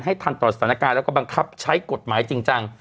ทันต่อสถานการณ์แล้วก็บังคับใช้กฎหมายจริงจัง